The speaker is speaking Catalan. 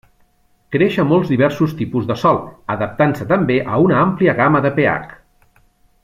Creix a molt diversos tipus de sòl, adaptant-se també a una àmplia gamma de pH.